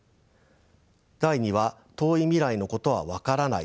第２は「遠い未来のことは分からない」です。